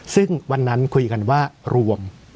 ซึ่งวันนั้นคุยกันว่ารวม